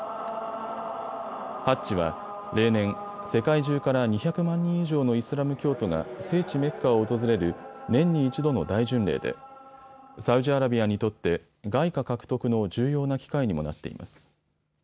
ハッジは例年、世界中から２００万人以上のイスラム教徒が聖地メッカを訪れる年に一度の大巡礼でサウジアラビアにとって外貨獲得の重要な機会にもなっています。